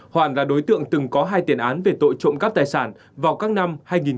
hoàn là đối tượng từng có hai tiền án về tội trộm cắp tài sản vào các năm hai nghìn một mươi bốn hai nghìn một mươi tám